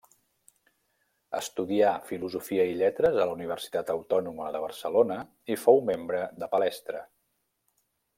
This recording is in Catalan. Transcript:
Estudià filosofia i lletres a la Universitat Autònoma de Barcelona i fou membre de Palestra.